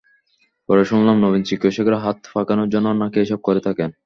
পরে শুনলাম, নবীন চিকিৎসকেরা হাত পাকানোর জন্য নাকি এসব করে থাকেন।